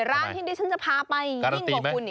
ร้านที่ดิฉันจะพาไปยิ่งกว่าคุณอีก